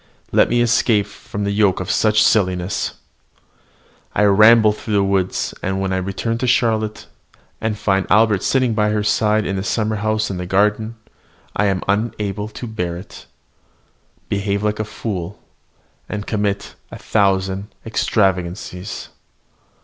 Let me escape from the yoke of such silly subterfuges! I ramble through the woods; and when I return to Charlotte, and find Albert sitting by her side in the summer house in the garden, I am unable to bear it, behave like a fool, and commit a thousand extravagances.